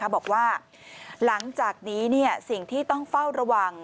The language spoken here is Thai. บอกว่าหลังจากนี้สิ่งที่ต้องเฝ้าระวัง